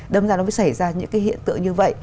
đâm ra nó mới xảy ra những cái hiện tượng như vậy